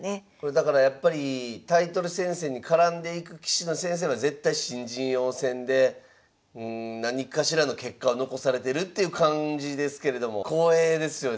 だからやっぱりタイトル戦線に絡んでいく棋士の先生は絶対新人王戦で何かしらの結果を残されてるっていう感じですけれども光栄ですよね。